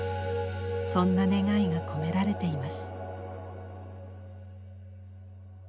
そんな願いが込められています。